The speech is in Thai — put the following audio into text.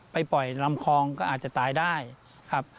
ไปปล่อยลำคลองก็อาจจะตายได้ครับ